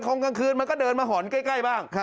กลางคืนมันก็เดินมาหอนใกล้บ้าง